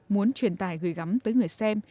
muốn truyền tài gửi gắm tới người xem